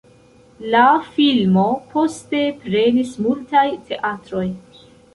La filmo poste prenis multaj teatroj.